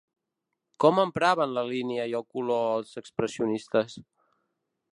Com empraven la línia i el color els expressionistes?